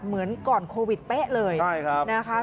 เหมือนก่อนโควิดเป๊ะเลยใช่ครับ